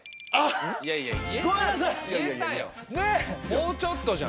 もうちょっとじゃん！